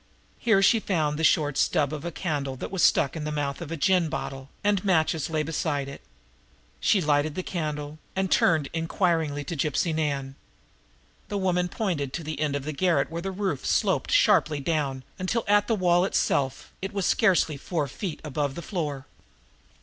Here she found the short stub of a candle that was stuck in the mouth of a gin bottle, and matches lying beside it. She lighted the candle, and turned inquiringly to Gypsy Nan. The woman pointed to the end of the garret where the roof sloped sharply down until, at the wall itself, it was scarcely four feet above the floor.